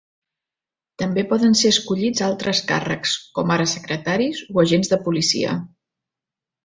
També poden ser escollits altres càrrecs, com ara secretaris o agents de policia.